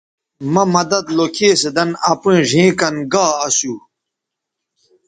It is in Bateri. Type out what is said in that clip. مہ مدد لوکھی سو دَن اپیئں ڙھیئں کَن گا اسو